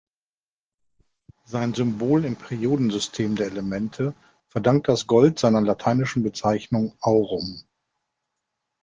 Sein Symbol im Periodensystem der Elemente verdankt das Gold seiner lateinischen Bezeichnung, aurum.